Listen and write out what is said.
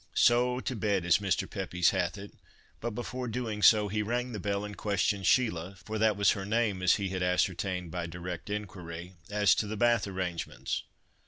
So to bed, as Mr. Pepys hath it, but before doing so, he rang the bell, and questioned Sheila—for that was her name, as he had ascertained by direct inquiry—as to the bath arrangements.